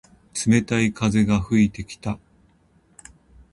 冷たい風が吹いてきた。